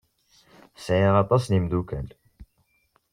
Sɛiɣ aṭas n yemdukal.